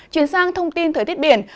chuyển sang thông tin thời tiết biển